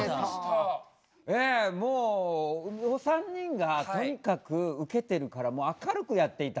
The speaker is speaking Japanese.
ええもうお三人がとにかくウケてるからもう明るくやっていた。